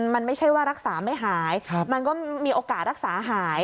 มันไม่ใช่ว่ารักษาไม่หายมันก็มีโอกาสรักษาหาย